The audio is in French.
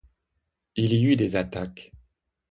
Il y eut des attaques.